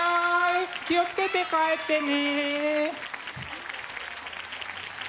気を付けて帰ってね！